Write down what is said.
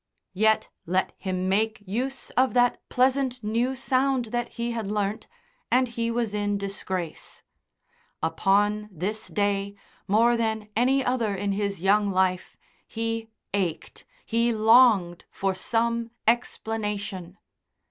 Yet, let him make use of that pleasant new sound that he had learnt, and he was in disgrace. Upon this day, more than any other in his young life, he ached, he longed for some explanation.